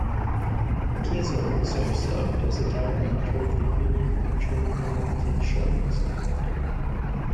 Keyser also served as a Director of the Union Mutual of Vermont insurance company.